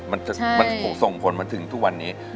มันส่งผลมาถึงทุกวันนี้